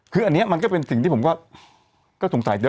คืออันนี้มันก็เป็นสิ่งที่ผมก็สงสัยเยอะ